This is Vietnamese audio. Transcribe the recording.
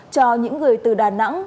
cho những người từ đà nẵng